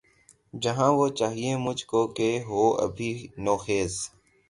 جہاں وہ چاہیئے مجھ کو کہ ہو ابھی نوخیز